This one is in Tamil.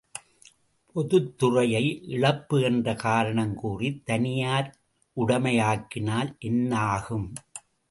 பொதுத்துறையை இழப்பு என்று காரணம் கூறித் தனியார் உடைமையாக்கினால் என்னாகும்!